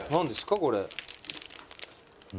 これ」